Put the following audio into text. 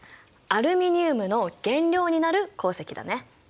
アルミニウムの原料になる鉱石だね。